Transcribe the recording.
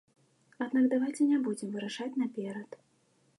Аднак давайце не будзем вырашаць наперад.